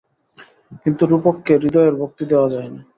কিন্তু রূপককে হৃদয়ের ভক্তি দেওয়া যায় না।